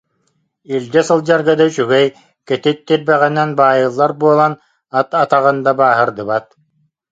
Илдьэ сылдьарга да үчүгэй, кэтит тирбэҕэнэн баайыллар буо- лан ат атаҕын да бааһырдыбат